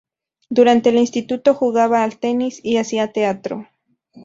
Durante el instituto jugaba al tenis y hacía teatro.